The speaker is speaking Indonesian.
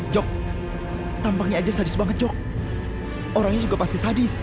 jok tampaknya aja sadis banget jok orangnya juga pasti sadis